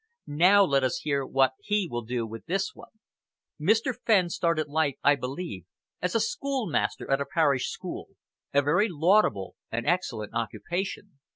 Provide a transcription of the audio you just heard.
Now let us hear what he will do with this one. Mr. Fenn started life, I believe, as a schoolmaster at a parish school, a very laudable and excellent occupation.